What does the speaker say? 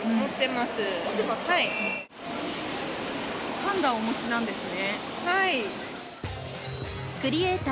ぱんだをお持ちなんですね。